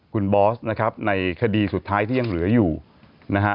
คุณบอสนะครับในคดีสุดท้ายที่ยังเหลืออยู่นะฮะ